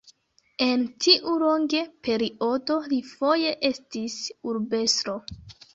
En tiu longe periodo li foje estis urbestro.